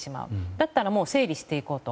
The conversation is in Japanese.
だったら整理していこうと。